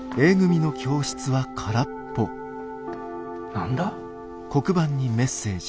何だ？